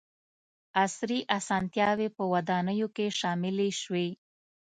• عصري اسانتیاوې په ودانیو کې شاملې شوې.